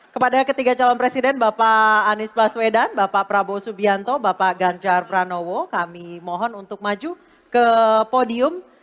kepada ketiga calon presiden bapak anies baswedan bapak prabowo subianto bapak ganjar pranowo kami mohon untuk maju ke podium